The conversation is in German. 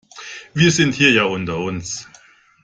Wir sind hier ja unter uns.